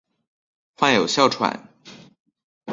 患有哮喘。